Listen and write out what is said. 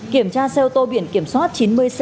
kiểm tra xe ô tô biển kiểm soát chín mươi sáu